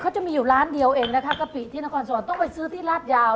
เขาจะมีอยู่ร้านเดียวเองนะคะกะปิที่นครสวรรค์ต้องไปซื้อที่ราชยาว